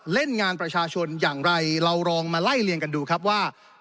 เล่นงานประชาชนอย่างไรเราลองมาไล่เลี่ยงกันดูครับว่า